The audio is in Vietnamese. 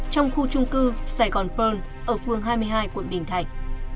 trong khu trung cư sài gòn pearl ở phương hai mươi hai quận bình thạnh